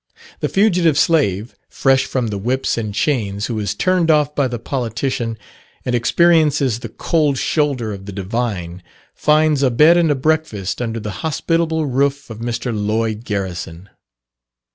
The fugitive slave, fresh from the whips and chains, who is turned off by the politician, and experiences the cold shoulder of the divine, finds a bed and a breakfast under the hospitable roof of Mr. Lloyd Garrison.